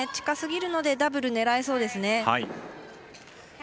近すぎるのでダブル狙えそうですね。